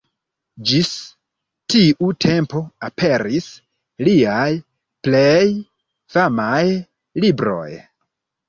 Ĝis tiu tempo aperis liaj plej famaj libroj.